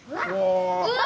うわ！